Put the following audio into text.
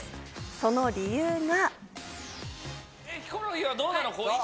その理由が。